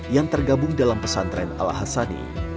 yang tergabung dalam pesantren al hasani